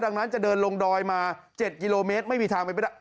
ดังนั้นจะเดินลงดอยมา๗กิโลเมตรไม่มีทางเป็นไปได้